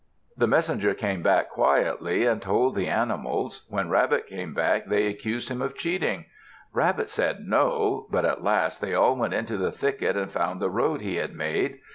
The messenger came back quietly and told the animals. When Rabbit came back, they accused him of cheating. Rabbit said, "No," but at last they all went into the thicket and found the road he had made.